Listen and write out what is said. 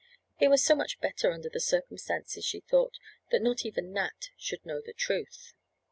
It was so much better under the circumstances, she thought, that not even Nat should know the truth.